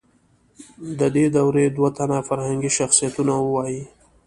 د دې دورې دوه تنه فرهنګي شخصیتونه ووایئ.